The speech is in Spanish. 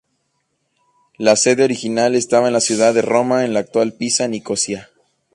La sede original estaba en la ciudad de Roma, en la actual Piazza Nicosia.